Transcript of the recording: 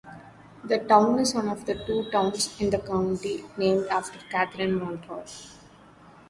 The town is one of two towns in the county named after Catherine Montour.